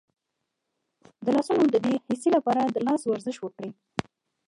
د لاسونو د بې حسی لپاره د لاس ورزش وکړئ